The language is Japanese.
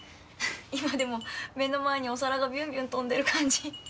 今でも目の前にお皿がビュンビュン飛んでる感じ。